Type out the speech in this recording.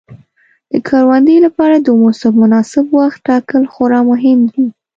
د کروندې لپاره د موسم مناسب وخت ټاکل خورا مهم دي.